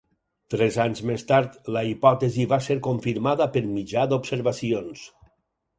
Tres anys més tard, la hipòtesi va ser confirmada per mitjà d'observacions.